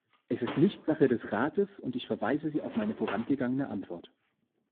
Es ist nicht Sache des Rates, und ich verweise Sie auf meine vorangegangene Antwort.